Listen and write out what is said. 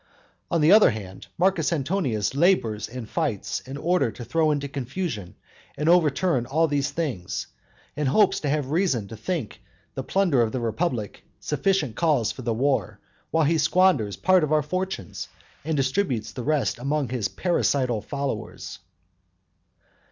On the other hand, Marcus Antonius labours and fights in order to throw into confusion and overturn all these things, and hopes to have reason to think the plunder of the republic sufficient cause for the war, while he squanders part of our fortunes, and distributes the rest among his parricidal followers.